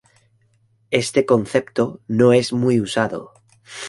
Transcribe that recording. Este concepto no es muy usado.